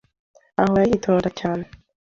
ahora yitonda cyane.